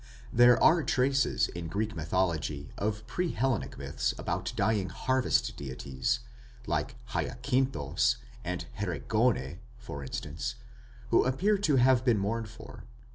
There are traces in Greek mythology of pre Hellenic myths about dying harvest deities, like Hyakinthos and Erigone, for instance, who appear to have been mourned for.